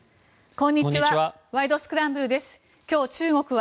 こんにちは。